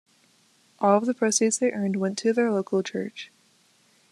All of the proceeds they earned went to their local church.